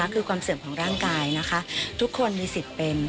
คือความเสื่อมของร่างกายนะคะทุกคนมีสิทธิ์เป็น